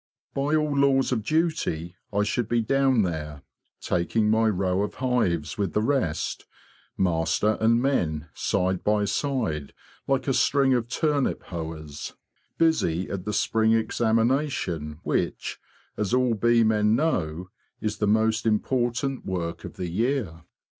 By all laws of duty I should be down there, taking my row of hives with the rest—master and men side by side like a string of turnip hoers—busy at the spring examination HONEY CRAFT OLD AND NEW | 19 which, as all bee men know, is the most important work of the year.